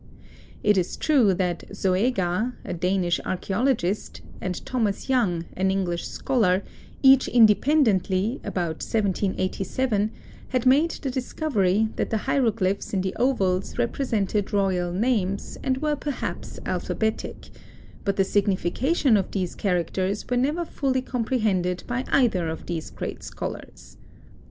It is true that Zoega, a Danish archæologist, and Thomas Young, an English scholar, each independently, about 1787, had made the discovery that the hieroglyphs in the ovals represented royal names, and were perhaps alphabetic; but the signification of these characters were never fully comprehended by either of these great scholars.